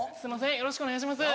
よろしくお願いします